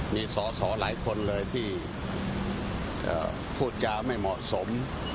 มีสอสอหลายคนเลยที่พูดจาไม่เหมาะสม